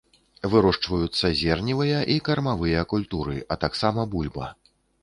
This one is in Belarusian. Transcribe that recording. Вырошчваюцца зерневыя і кармавыя культуры, а таксама бульба.